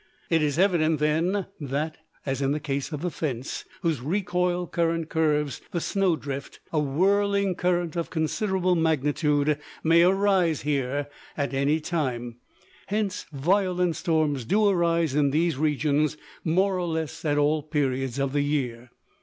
It is evident then that, as in the case of the fence, whose recoil current curves the snow drift, a whirling current of considerable magnitude may arise here at any time: hence, violent storms do arise in these regions more or less at all periods of the year.